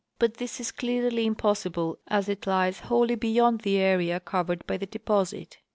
149 but this is clearly impossible, as it lies wholl}^ beyond the area covered by the deposit.